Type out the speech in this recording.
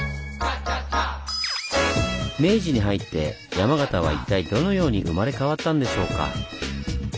明治に入って山形は一体どのように生まれ変わったんでしょうか？